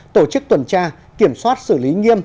tổ chức tuần tra kiểm soát xử lý nghiêm